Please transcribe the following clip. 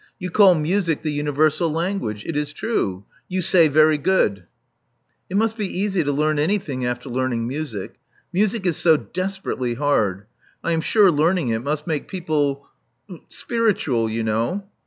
You call music the universal language. It is true. You say very goodh." It must be easy to learn anything after learning music. Music is so desperately hard. I am sure learning it must make people — spiritual, you know."